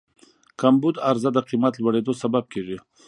کمبود عرضه د قیمت لوړېدو سبب کېږي.